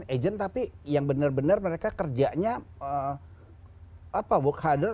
agent tapi yang benar benar mereka kerjanya work harder